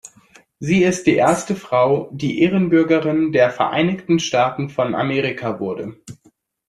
Sie ist die erste Frau, die Ehrenbürgerin der Vereinigten Staaten von Amerika wurde.